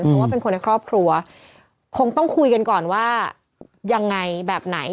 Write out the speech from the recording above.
เพราะว่าเป็นคนในครอบครัวคงต้องคุยกันก่อนว่ายังไงแบบไหน